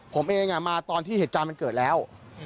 ผมเองมาตอนที่เหตุการณ์มันเกิดแล้ว